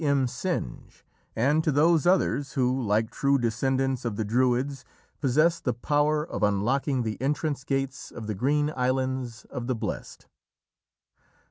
M. Synge, and to those others who, like true descendants of the Druids, possess the power of unlocking the entrance gates of the Green Islands of the Blest.